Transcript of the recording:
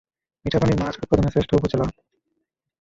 মিঠা পানির মাছ উৎপাদনে শ্রেষ্ঠ উপজেলা।